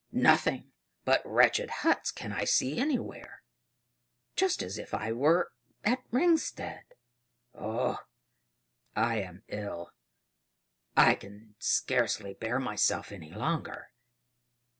Nothing but wretched huts can I see anywhere; just as if I were at Ringstead. Oh! I am ill! I can scarcely bear myself any longer.